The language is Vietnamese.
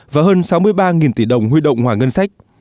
và hơn sáu mươi ba tỷ đồng huy động ngoài ngân sách